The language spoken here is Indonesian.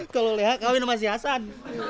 kalau leha kawin sama si hasan